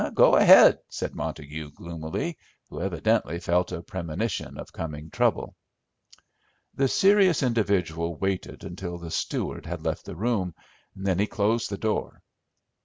"Go ahead," said Montague, gloomily, who evidently felt a premonition of coming trouble. The serious individual waited until the steward had left the room, then he closed the door.